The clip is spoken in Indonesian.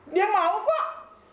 dia mau kok